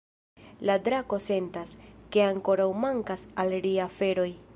La drako sentas, ke ankoraŭ mankas al ri aferoj.